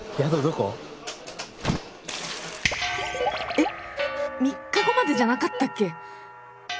えっ３日後までじゃなかったっけ！？